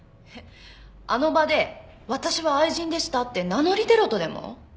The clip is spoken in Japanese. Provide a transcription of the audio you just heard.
あの場で「私は愛人でした」って名乗り出ろとでも？